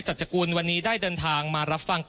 สัจกุลวันนี้ได้เดินทางมารับฟัง